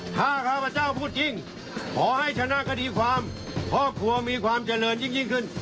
ถ้าข้าพเจ้าพูดจริงขอให้ชนะคดีความครอบครัวมีความเจริญยิ่งขึ้น